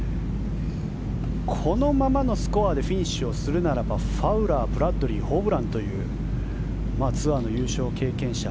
このままのスコアでフィニッシュするならファウラー、ブラッドリーホブランというツアーの優勝経験者